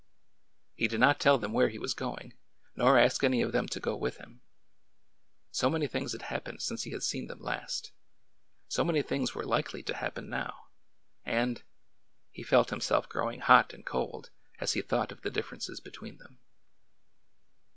He did not tell them where he was going, nor ask any of them to go with him. So many things had happened since he had seen them last,— so many things were likely to happen now!— and— he felt himself growing hot and cold as he thought of the differences between them.